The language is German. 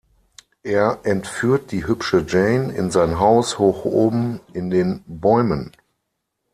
Er entführt die hübsche Jane in sein Haus hoch oben in den Bäumen.